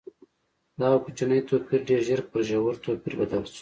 دغه کوچنی توپیر ډېر ژر پر ژور توپیر بدل شو.